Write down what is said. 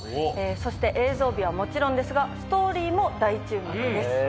そして映像美はもちろんですがストーリーも大注目です。